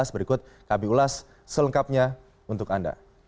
berikut kami ulas selengkapnya untuk anda